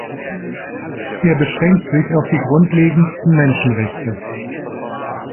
Er beschränkt sich auf die grundlegendsten Menschenrechte.